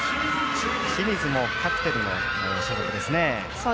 清水もカクテルの所属ですね。